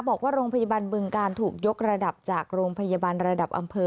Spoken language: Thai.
บอกว่าโรงพยาบาลบึงการถูกยกระดับจากโรงพยาบาลระดับอำเภอ